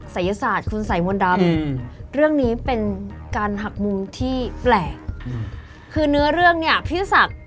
ศัยศาสตร์คุณสายมนต์ดำเรื่องนี้เป็นการหักมุมที่แปลกคือเนื้อเรื่องเนี่ยพี่ศักดิ์